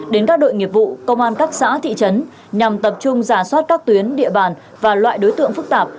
đến các đội nghiệp vụ công an các xã thị trấn nhằm tập trung giả soát các tuyến địa bàn và loại đối tượng phức tạp